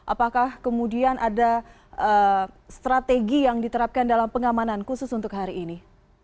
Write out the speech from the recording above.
apakah kemudian ada strategi yang diterapkan dalam pengamanan khusus untuk hari ini